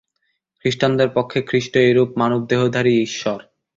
খ্রীষ্টানদের পক্ষে খ্রীষ্ট এইরূপ মানবদেহধারী ঈশ্বর।